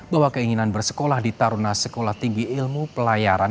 bahwa keinginan bersekolah di taruna sekolah tinggi ilmu pelayaran